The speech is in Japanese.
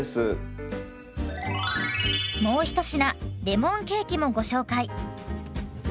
もう一品レモンケーキもご紹介。